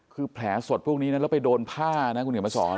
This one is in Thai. คือแผลสดพวกนี้นะแล้วไปโดนผ้านะคุณเดี๋ยวมาสอน